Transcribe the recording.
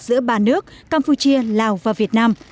giữa ba nước campuchia lào và việt nam